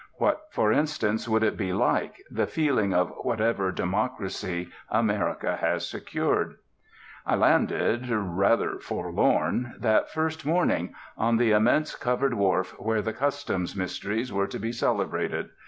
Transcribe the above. What, for instance, would it be like, the feeling of whatever democracy America has secured? I landed, rather forlorn, that first morning, on the immense covered wharf where the Customs mysteries were to be celebrated.